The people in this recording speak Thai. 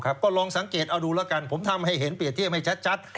ก็ลองสังเกตเอาดูแล้วกันผมทำให้เห็นเปรียบเทียบให้ชัด